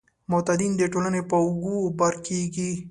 معتادین د ټولنې په اوږو بار کیږي.